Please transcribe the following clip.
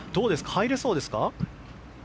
入れそうですか？